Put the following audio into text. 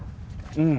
うん。